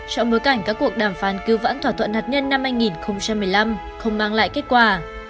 trong bối cảnh các cuộc đàm phán cứu vãn thỏa thuận hạt nhân năm hai nghìn một mươi năm không mang lại kết quả